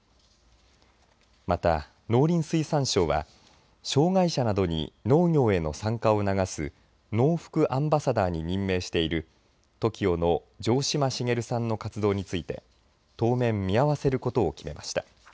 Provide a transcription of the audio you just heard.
また、農林水産省は障害者などに農業への参加を促すノウフクアンバサダーに任命しているＴＯＫＩＯの城島茂さんの活動について当面見合わせることを決めました。